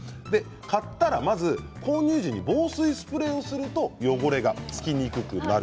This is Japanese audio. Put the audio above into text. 買ったら、まず購入時に防水スプレーをすると汚れが付きにくくなる。